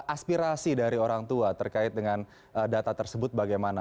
aspirasi dari orang tua terkait dengan data tersebut bagaimana